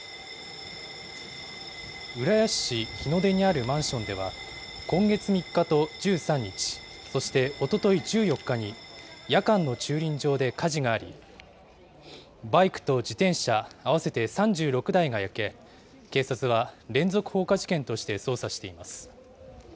浦安市日の出にあるマンションでは、今月３日と１３日、そしておととい１４日に、夜間の駐輪場で火事があり、バイクと自転車合わせて３６台が焼け、警察は連続放火事件として捜査しています。